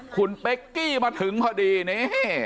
คุณเป๊กกี้มาถึงพอดีนี่